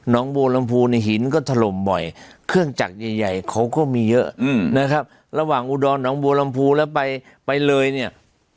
น้องบัวลำพูในหินก็ถล่มบ่อยเครื่องจักรใหญ่ใหญ่เขาก็มีเยอะนะครับระหว่างอุดรน้องบัวลำพูแล้วไปไปเลยเนี่ย